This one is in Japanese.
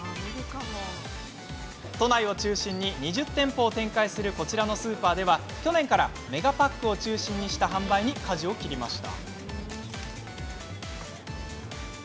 都内を中心に２０店舗を展開するこちらのスーパーでは、去年からメガパックを中心にした販売にかじを切りました。